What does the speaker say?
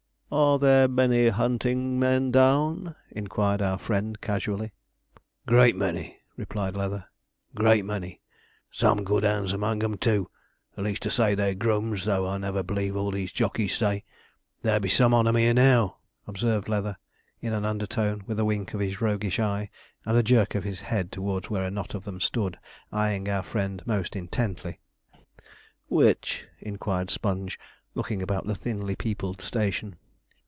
'Are there many hunting men down?' inquired our friend casually. 'Great many,' replied Leather, 'great many; some good 'ands among 'em too; at least to say their grums, though I never believe all these jockeys say. There be some on 'em 'ere now,' observed Leather, in an undertone, with a wink of his roguish eye, and jerk of his head towards where a knot of them stood eyeing our friend most intently. 'Which?' inquired Sponge, looking about the thinly peopled station.